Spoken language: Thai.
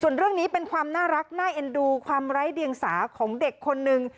ส่วนเรื่องนี้เป็นความน่ารักน่าเอ็นดูความไร้เดียงสาของเด็กคนนึง